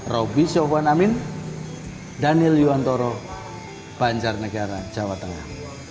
robby soekarno amin dan daniel yuwantoro banjarnegara jawa tengah